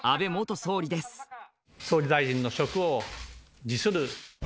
総理大臣の職を辞する。